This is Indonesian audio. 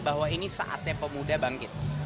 bahwa ini saatnya pemuda bangkit